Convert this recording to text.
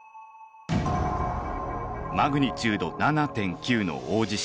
マグニチュード７．９の大地震